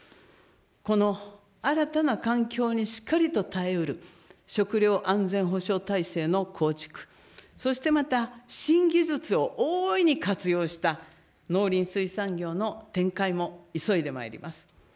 この新たな環境にしっかりと耐えうる食料安全保障の構築、そしてまた、新技術を大いに活用した農林水産業の展開も急いでまいります。